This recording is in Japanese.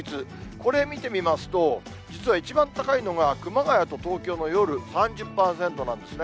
これ見てみますと、実は一番高いのが、熊谷と東京の夜３０％なんですね。